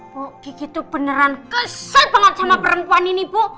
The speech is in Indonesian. bu gigitu beneran kesel banget sama perempuan ini bu